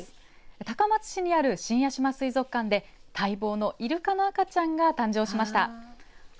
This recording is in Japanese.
高松市にある新屋島水族館で待望のいるかの赤ちゃんが誕生しました。